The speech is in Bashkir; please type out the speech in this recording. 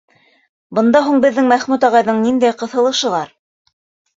Бында һуң беҙҙең Мәхмүт ағайҙың ниндәй ҡыҫылышы бар?